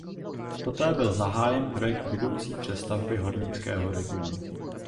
Poté byl zahájen projekt budoucí přestavby hornického regionu.